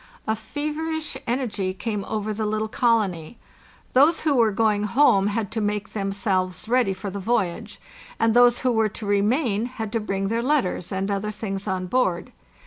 A feverish energy came over the little colony. Those who were going home had to make themselves ready for the voyage, and those who were to remain had to bring their letters and other things on board.